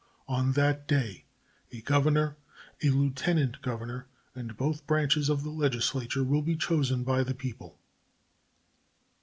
On that day a governor, a lieutenant governor, and both branches of the legislature will be chosen by the people.